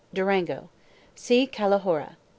2 DURANGO. See CALAHORRA.